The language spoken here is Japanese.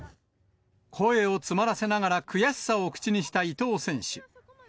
声を詰まらせながら悔しさを口にした伊藤選手。